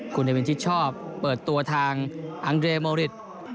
คุณได้เป็นที่ชอบเปิดตัวทางอังเดรียมโมริส